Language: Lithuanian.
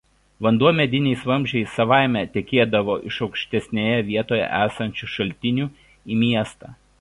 Vanduo mediniais vamzdžiais savaime tekėdavo iš aukštesnėje vietoje esančių šaltinių į miestą.